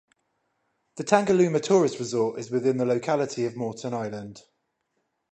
The Tangalooma tourist resort is within the locality of Moreton Island.